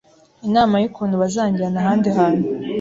inama y’ukuntu bazanjyana ahandi hantu